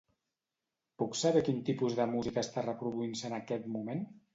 Puc saber quin tipus de música està reproduint-se en aquest moment?